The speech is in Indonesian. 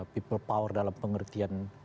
people power dalam pengertian